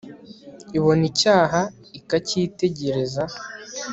ibona icyaha, ikacyitegereza